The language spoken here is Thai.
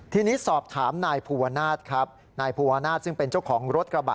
ทีนี้สอบถามนายภูวนาศครับนายภูวนาศซึ่งเป็นเจ้าของรถกระบะ